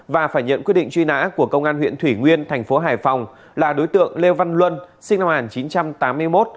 và phải nhận quyết định truy nã của công an huyện thủy nguyên thành phố hải phòng là đối tượng lê văn luân sinh năm một nghìn chín trăm tám mươi một